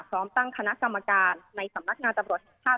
พร้อมตั้งคณะกรรมการในสำนักงานตรวจภาพ